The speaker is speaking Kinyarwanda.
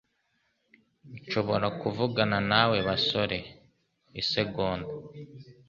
Nshobora kuvugana nawe basore isegonda?